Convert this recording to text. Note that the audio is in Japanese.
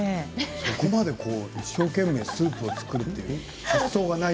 そこまで一生懸命スープを作るという発想がない。